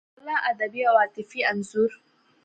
د ښکلا ادبي او عاطفي انځور